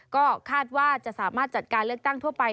ก็คาดว่าจะสามารถจัดการเลือกตั้งทั่วไป